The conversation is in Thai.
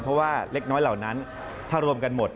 เพราะว่าเล็กน้อยเหล่านั้นถ้ารวมกันหมด